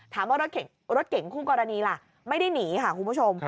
ถามว่ารถเก่งคู่กรณีล่ะไม่ได้หนีค่ะคุณผู้ชม